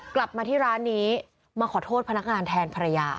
กลับมาที่ร้านนี้มาขอโทษพนักงานแทนภรรยา